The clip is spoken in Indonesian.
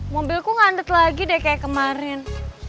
mobilku ngandet lagi deh kayak kemarin